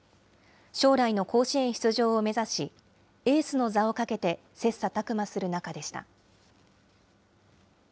将来の甲子園出場を目指し、エースの座を懸けて切さたく磨する仲でした。